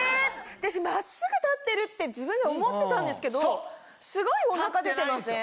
私真っすぐ立ってるって自分で思ってたんですけどすごいお腹出てません？